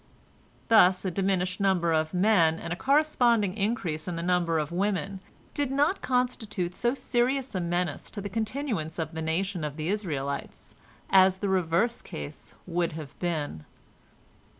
Thus a diminished number of men and a corresponding increase in the number of women did not constitute so serious a menace to the continuance of the nation of the Israelites as the reverse case would have been.